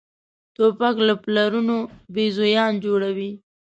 توپک له پلارونو بېزویان جوړوي.